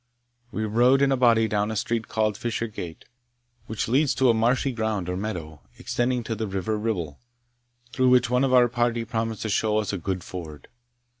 We rode in a body down a street called Fishergate, which leads to a marshy ground or meadow, extending to the river Ribble, through which one of our party promised to show us a good ford.